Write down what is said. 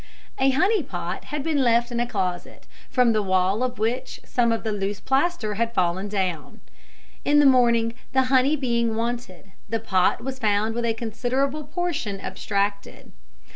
A honey pot had been left in a closet, from the wall of which some of the loose plaster had fallen down. In the morning, the honey being wanted, the pot was found with a considerable portion abstracted.